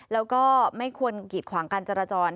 แล้วก็ไม่ควรกีดขวางการจราจร